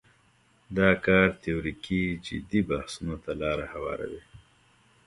دا کار تیوریکي جدي بحثونو ته لاره هواروي.